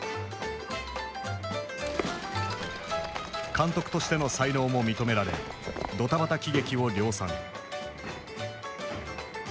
監督としての才能も認められどたばた喜劇を量産。